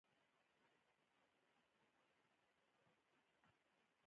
افغانستان کې د ژبو د پرمختګ هڅې روانې دي.